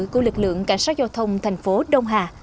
của lực lượng cảnh sát giao thông thành phố đông hà